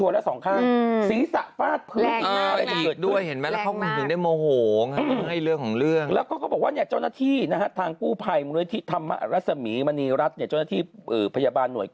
เร่งนำตัวส่งโรงพยาบาลที่อ่ะพี่มันอาจจะส่ง